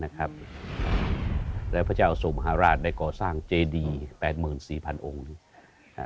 และพระเจ้าสู่มหาราชได้ก่อสร้างเจดีแปดหมื่นสี่พันองค์